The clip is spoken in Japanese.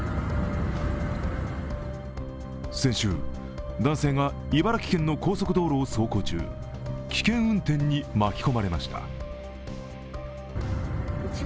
先週、男性が茨城県の高速道路を走行中、危険運転に巻き込まれました。